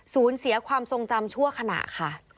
เสียความทรงจำชั่วขณะค่ะ